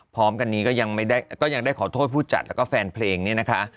พร้อมกันนี้ก็ยังได้ขอโทษผู้จัดแล้วก็แฟนเพลงเนี่ยนะคะ